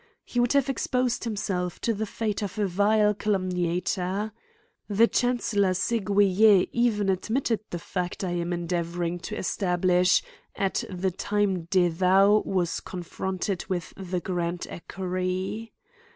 He would have exposed himself to the fate of a vile calumniator. The chancellor Seguier even admitted the fact I am endeavouring to es tablish, at the time De Thou was confronted with the grand Equerry.